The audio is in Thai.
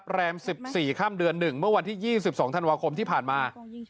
วันพระครับแรม๑๔ข้ามเดือนหนึ่งเมื่อวันที่๒๒ธันวาคมที่ผ่านมา